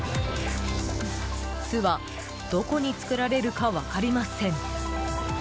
巣は、どこに作られるか分かりません。